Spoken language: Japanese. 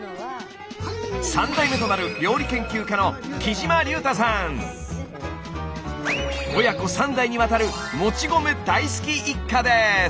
三代目となる料理研究家の親子３代にわたるもち米大好き一家です！